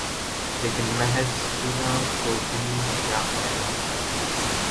لیکن محض سینہ کوبی کا کیا فائدہ؟